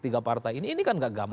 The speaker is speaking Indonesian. tiga partai ini kan tidak gampang